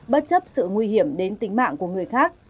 bất chấp sự nguy hiểm đến tính mạng của người khác